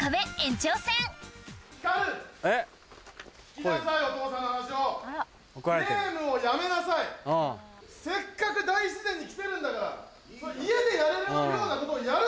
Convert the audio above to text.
お父さんの話を・せっかく大自然に来てるんだから家でやれるようなことをやるな！